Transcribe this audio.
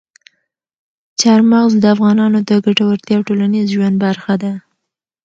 چار مغز د افغانانو د ګټورتیا او ټولنیز ژوند برخه ده.